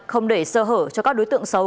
không để sơ hở cho các đối tượng xấu